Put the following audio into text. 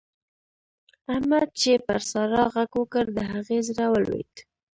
احمد چې پر سارا غږ وکړ؛ د هغې زړه ولوېد.